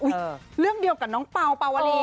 อุ๊ยเรื่องเดียวกับน้องเปราเปราวรี